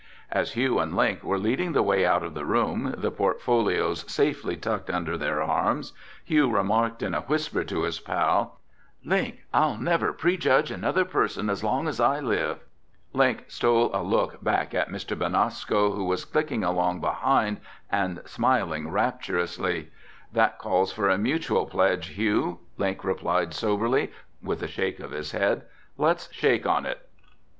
As Hugh and Link were leading the way out of the room, the portfolios safely tucked under their arms, Hugh remarked in a whisper to his pal, "Link, I'll never prejudge another person as long as I live." Link stole a look back at Mr. Benasco who was clicking along behind and smiling rapturously. "That calls for a mutual pledge, Hugh," Link replied soberly, with a shake of his head. "Let's shake on it."